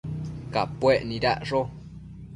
Capuec nidacsho